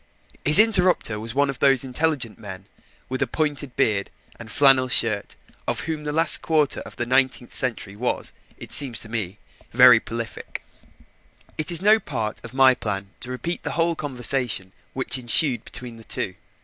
His interrupter was one of those intelligent men with a pointed beard and a flannel shirt, of whom the last quarter of the nineteenth century was, it seems to me, very prolific. It is no part of my plan to repeat the whole conversation which ensued between the two.